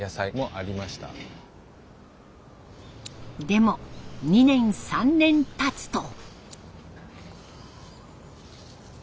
でも２年３年たつと。